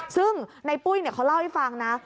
ซึ่งในปุ้ยเขาเล่าให้ฟังนะ